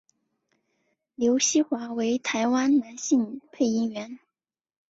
刘锡华为台湾男性配音员。